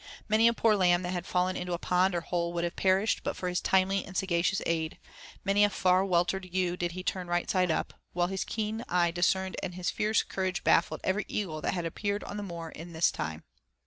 Many a poor lamb that had fallen into a pond or hole would have perished but for his timely and sagacious aid, many a far weltered ewe did he turn right side up; while his keen eye discerned and his fierce courage baffled every eagle that had appeared on the moor in his time.